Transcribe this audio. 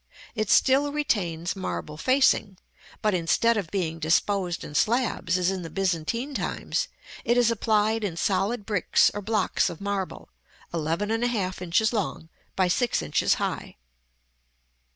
It still retains marble facing; but instead of being disposed in slabs as in the Byzantine times, it is applied in solid bricks or blocks of marble, 11½ inches long, by 6 inches high.